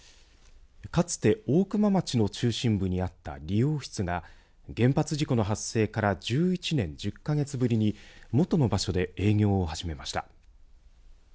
かつて大熊町の中心部にあった理容室が原発事故の発生から１１年１０か月ぶりに元の場所で営業を始めました。